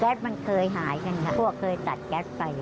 แก๊สมันเคยหายกันครับพวกเคยจัดแก๊สไป